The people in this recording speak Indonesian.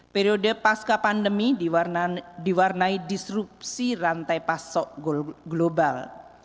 periode pasca pandemi diwarnai disrupsi rantai pasok global